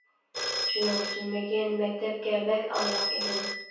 شۇنىڭ ئۈچۈنمىكىن مەكتەپكە بەك ئامراق ئىدىم.